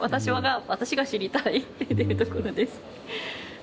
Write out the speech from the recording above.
私が知りたいっていうところです。